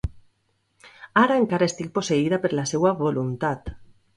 Ara encara estic posseïda per la seua voluntat.